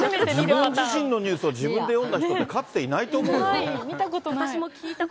自分自身のニュースを自分で読んだ人ってかつていないと思う見たことない。